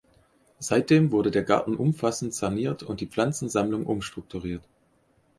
Seitdem wurde der Garten umfassend saniert und die Pflanzensammlung umstrukturiert.